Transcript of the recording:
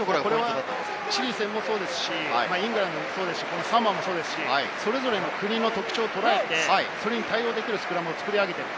チリ戦もそうですし、イングランドもそうですし、サモアもそうですし、それぞれの国の特徴を捉えて、それに対応できるスクラムを作り上げている。